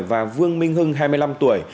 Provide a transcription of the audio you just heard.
và vương minh hưng hai mươi năm tuổi